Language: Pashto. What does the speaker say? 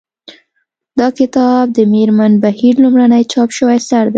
دا کتاب د مېرمن بهیر لومړنی چاپ شوی اثر هم دی